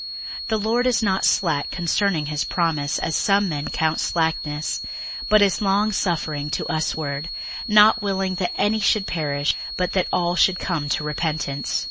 61:003:009 The Lord is not slack concerning his promise, as some men count slackness; but is longsuffering to us ward, not willing that any should perish, but that all should come to repentance.